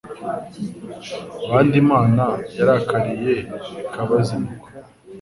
ba nde Imana yarakariye ikabazinukwa